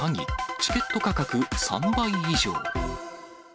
チケット価格３倍以上。